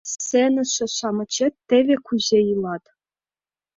— Сеҥыше-шамычет теве кузе илат!